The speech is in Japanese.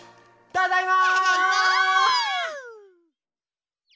ただいま！